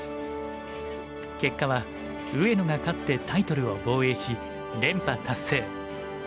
結果は上野が勝ってタイトルを防衛し連覇達成。